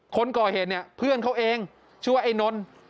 คนก่อเหตุเนี่ยเพื่อนเขาเองชื่อว่าไอ้นนท์